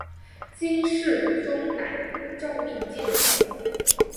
金世宗乃诏命建桥。